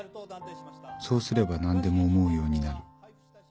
「そうすれば何でも思うようになる。